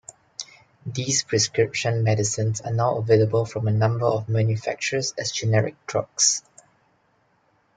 These prescription medicines are now available from a number of manufacturers as generic drugs.